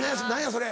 それ。